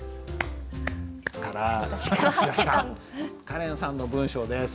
カレンさんの文章です。